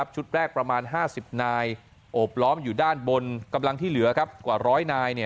ชุดแรกประมาณ๕๐นายโอบล้อมอยู่ด้านบนกำลังที่เหลือกว่าร้อยนาย